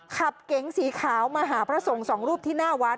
เก๋งสีขาวมาหาพระสงฆ์สองรูปที่หน้าวัด